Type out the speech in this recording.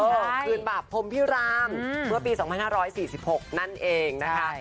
คืนบาปพรมพิรามเมื่อปี๒๕๔๖นั่นเองนะคะ